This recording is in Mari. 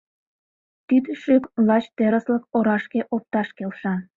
Тиде шӱк лач терыслык орашке опташ келша.